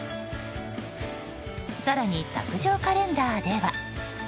更に、卓上カレンダーでは。